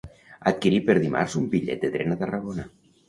Adquirir per dimarts un bitllet de tren a Tarragona.